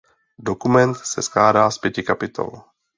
Dokument se skládá z pěti kapitol.